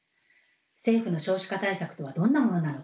政府の少子化対策とはどんなものなのか。